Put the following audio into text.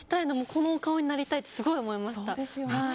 この顔になりたいってすごい思いました。